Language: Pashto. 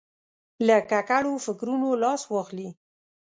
له ککړو فکرونو لاس واخلي.